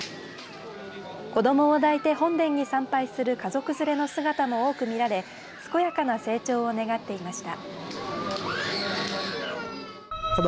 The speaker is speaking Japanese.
子どもを抱いて本殿に参拝する家族連れの姿も多く見られ健やかな成長を願っていました。